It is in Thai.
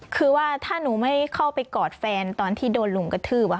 คือว่าถ้าหนูไม่เข้าไปกอดแฟนตอนที่โดนลุงกระทืบ